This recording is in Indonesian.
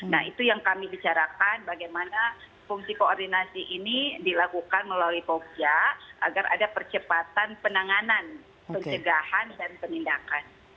nah itu yang kami bicarakan bagaimana fungsi koordinasi ini dilakukan melalui popja agar ada percepatan penanganan pencegahan dan penindakan